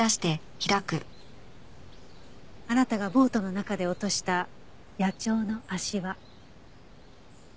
あなたがボートの中で落とした野鳥の足環。